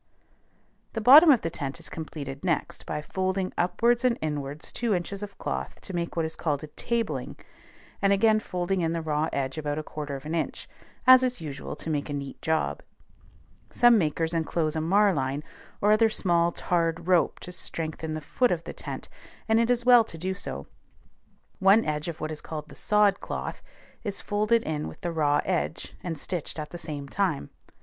The bottom of the tent is completed next by folding upwards and inwards two inches of cloth to make what is called a "tabling," and again folding in the raw edge about a quarter of an inch, as is usual to make a neat job. Some makers enclose a marline or other small tarred rope to strengthen the foot of the tent, and it is well to do so. One edge of what is called the "sod cloth" is folded in with the raw edge, and stitched at the same time.